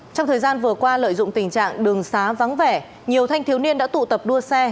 trong thời gian vừa qua lợi dụng tình trạng đường xá vắng vẻ nhiều thanh thiếu niên đã tụ tập đua xe